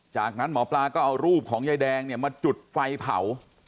จากนั้นหมอปลาก็เอารูปของยายแดงเนี่ยมาจุดไฟเผา